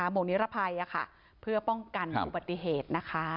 หมวงนิรภัยเพื่อป้องกันบุปฏิเหตุ